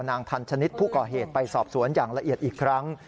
ทันชนิดผู้ก่อเหตุไปสอบสวนอย่างละเอียดอีกครั้ง